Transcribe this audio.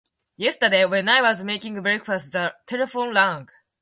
Yesterday, when I was making breakfast, the telephone rang.